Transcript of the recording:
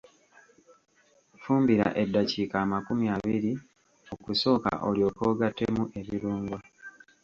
Fumbira eddakiika amakumi abiri okusooka olyoke ogattemu ebirungo.